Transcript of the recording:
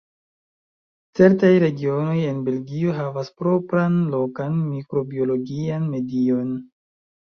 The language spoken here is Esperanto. Certaj regionoj en Belgio havas propran, lokan mikrobiologian medion.